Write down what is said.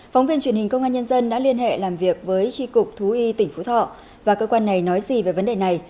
phóng viên truyền hình công an nhân dân đã liên hệ làm việc với tri cục thú y tỉnh phú thọ và cơ quan này nói gì về vấn đề này